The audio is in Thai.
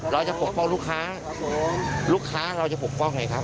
จะปกป้องลูกค้าลูกค้าเราจะปกป้องไงครับ